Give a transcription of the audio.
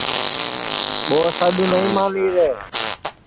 ٻو سڈؔ نائی مانی رے